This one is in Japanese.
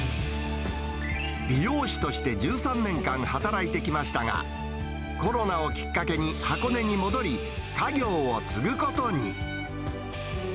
美容師として１３年間働いてきましたが、コロナをきっかけに箱根に戻り、家業を継ぐことに。